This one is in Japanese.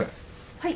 はい。